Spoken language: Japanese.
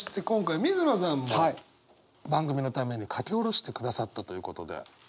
今回水野さんも番組のために書き下ろしてくださったということで。